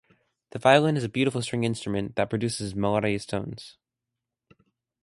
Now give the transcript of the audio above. The violin is a beautiful string instrument that produces melodious tones.